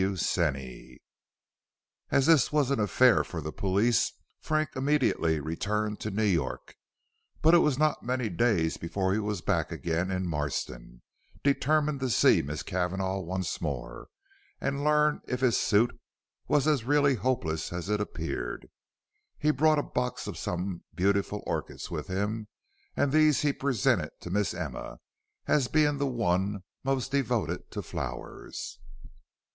W. SENEY. As this was an affair for the police, Frank immediately returned to New York; but it was not many days before he was back again in Marston, determined to see Miss Cavanagh once more, and learn if his suit was as really hopeless as it appeared. He brought a box of some beautiful orchids with him, and these he presented to Miss Emma as being the one most devoted to flowers.